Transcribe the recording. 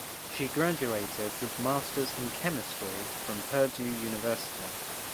She graduated with Masters in Chemistry from Purdue University.